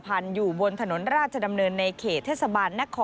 อะไรแวบ